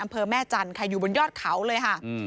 อำเภอแม่จันทร์ค่ะอยู่บนยอดเขาเลยค่ะ